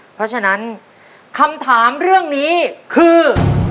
เพราะฉะนั้นคำถามเรื่องนี้คือ